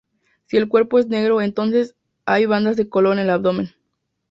Si el cuerpo es negro, entonces hay bandas de color en el abdomen.